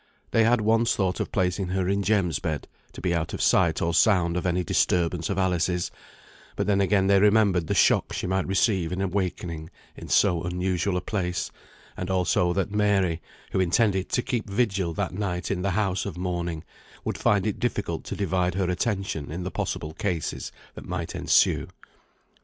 They had once thought of placing her in Jem's bed, to be out of sight or sound of any disturbance of Alice's, but then again they remembered the shock she might receive in awakening in so unusual a place, and also that Mary, who intended to keep vigil that night in the house of mourning, would find it difficult to divide her attention in the possible cases that might ensue.